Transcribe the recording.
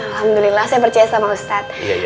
alhamdulillah saya percaya sama ustadz